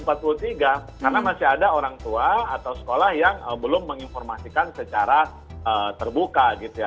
karena masih ada orang tua atau sekolah yang belum menginformasikan secara terbuka